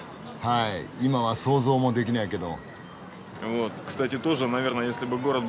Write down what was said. いまは想像もできないけど。